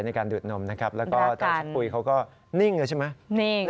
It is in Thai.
ดูดนมนะครับแล้วก็ตอนชะปุ๋ยเขาก็นิ่งเลยใช่ไหม